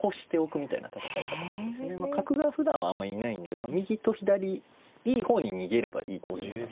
角がふだんはあんまりいないんで右と左いい方に逃げればいいというのが。